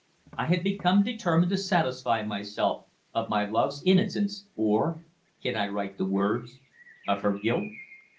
I had become determined to satisfy myself of my love's innocence or can I write the words? of her guilt!